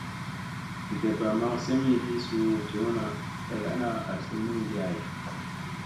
Gi deppa maŋ semyegii suu jewna kay ana asi minigi hay.